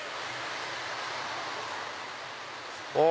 あ！